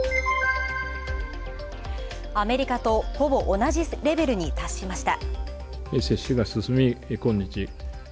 アメリカとほぼ同じレベルに達しました。